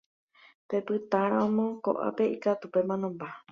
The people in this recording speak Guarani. Pepytáramo ko'ápe ikatu pemanomba.